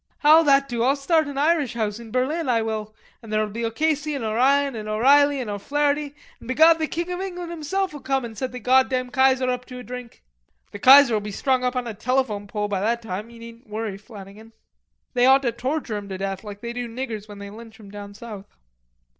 "How'd that do? I'll start an Irish House in Berlin, I will, and there'll be O'Casey and O'Ryan and O'Reilly and O'Flarrety, and begod the King of England himself'll come an' set the goddam Kaiser up to a drink." "The Kaiser'll be strung up on a telephone pole by that time; ye needn't worry, Flannagan." "They ought to torture him to death, like they do niggers when they lynch 'em down south."